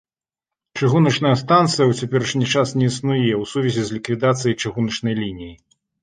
Чыгуначная станцыя ў цяперашні час не існуе ў сувязі з ліквідацыяй чыгуначнай лініі.